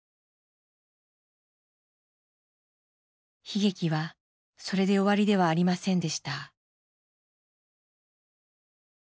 悲劇はそれで終わりではありませんでした。